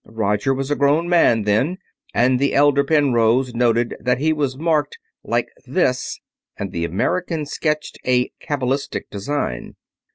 Roger was a grown man then, and the elder Penrose noted that he was marked, like this," and the American sketched a cabalistic design.